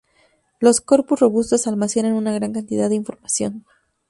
Los corpus robustos almacenan una gran cantidad de información.